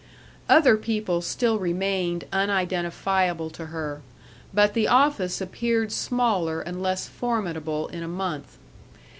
Other people still remained unidentifiable to her, but the office appeared smaller and less formidable in a month.